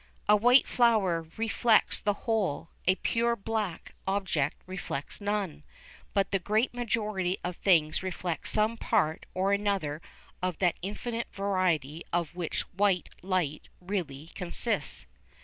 A white flower reflects the whole, a pure black object reflects none, but the great majority of things reflect some part or other of that infinite variety of which white light really consists.